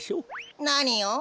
なにを？